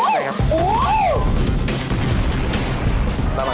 ป๊าะเสร็จแล้วค่ะ